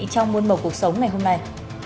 trong môn mộc cuộc sống ngày hôm nay